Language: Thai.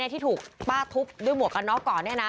ที่ถูกป้าทุบด้วยหมวกกับน้องก่อนเนี่ยนะ